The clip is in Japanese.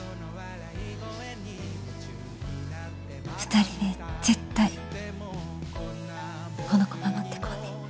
２人で絶対この子守ってこうね。